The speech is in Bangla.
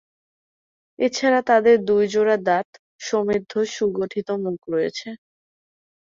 এছাড়া, তাদের দুই জোড়া দাঁত সমৃদ্ধ সুগঠিত মুখ রয়েছে।